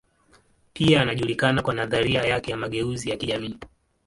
Pia anajulikana kwa nadharia yake ya mageuzi ya kijamii.